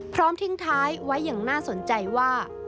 พร้อมทิ้งท้ายไว้อย่างน่าสนใจว่า